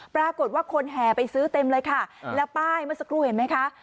ปรากฏว่าคนแห่ไปซื้อเต็มเลยค่ะแล้วป้ายเมื่อสักครู่เห็นไหมคะ